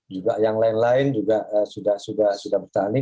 juga yang lain lain juga sudah bertani